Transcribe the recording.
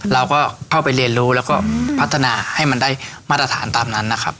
เราก็เข้าไปเรียนรู้แล้วก็พัฒนาให้มันได้มาตรฐานตามนั้นนะครับ